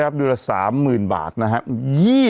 ใช่ครับอยู่ละ๓๐๐๐๐บาทนะครับ